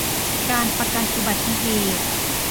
การประกันอุบัติเหตุ